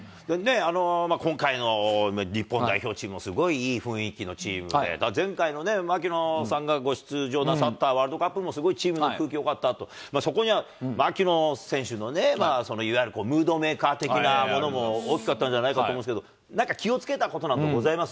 今回の日本代表チームも、すごいいい雰囲気のチームで、前回の槙野さんがご出場なさったワールドカップもすごいチームの空気よかったと、そこには槙野選手のね、いわゆるムードメーカー的な影響も大きかったんじゃないかと思いますけど、なんか気をつけたことなんかございます？